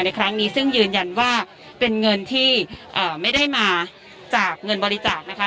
ในครั้งนี้ซึ่งยืนยันว่าเป็นเงินที่ไม่ได้มาจากเงินบริจาคนะคะ